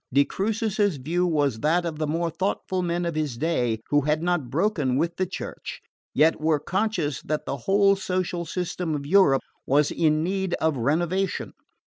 De Crucis's view was that of the more thoughtful men of his day who had not broken with the Church, yet were conscious that the whole social system of Europe was in need of renovation.